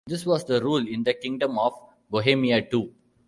This was the rule in the Kingdom of Bohemia too.